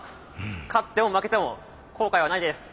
勝っても負けても後悔はないです。